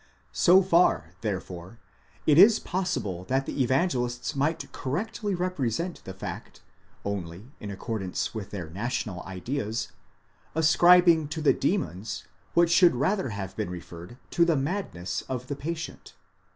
So far, therefore, it is possible that the Evangelists might correctly represent the fact, only, in ac cordance with their national ideas, ascribing to the demons what should rather have been referred to the madness of the patient.